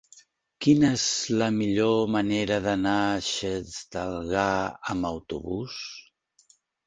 Quina és la millor manera d'anar a Xestalgar amb autobús?